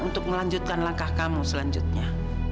untuk melanjutkan langkah kamu selanjutnya